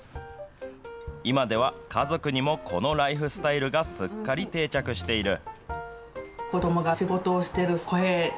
今では家族にもこのライフスタイルがすっかり定着している。